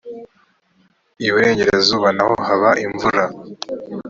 iburengerazuba naho haba imvura.